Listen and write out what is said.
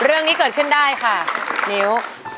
เรื่องนี้เกิดขึ้นได้ค่ะนิ้ว